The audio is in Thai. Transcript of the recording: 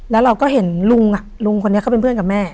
แล้วเราก็เห็นลุงลุงคนนี้เขาเป็นเพื่อนกับแม่